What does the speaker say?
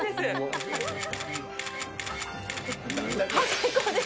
最高です！